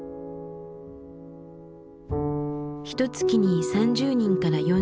ひと月に３０人から４０人。